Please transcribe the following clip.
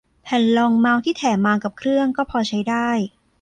แผ่นรองเมาส์ที่แถมมากับเครื่องก็พอใช้ได้